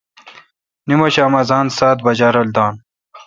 نماشام اذان سات بجا رل دان